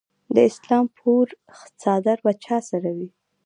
د اسلام پور څادرې به چا سره وي؟